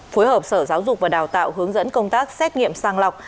phối hợp sở giáo dục và đào tạo hướng dẫn công tác xét nghiệm sang lọc